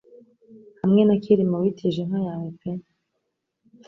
Hamwe na kirima witije inka yawe pe